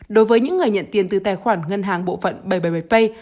đối với những người nhận tiền từ tài khoản ngân hàng bộ phận bảy trăm bảy mươi bảy pay